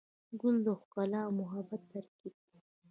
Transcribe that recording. ګل د ښکلا او محبت ترکیب دی.